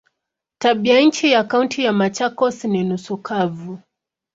Tabianchi ya Kaunti ya Machakos ni nusu kavu.